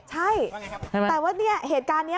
ใช่แต่ว่าเนี่ยเหตุการณ์นี้